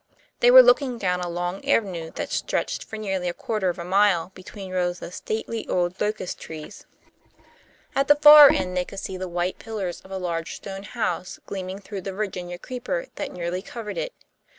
They were looking down a long avenue that stretched for nearly a quarter of a mile between rows of stately old locust trees. At the far end they could see the white pillars of a large stone house gleaming through the Virginia creeper that nearly covered it.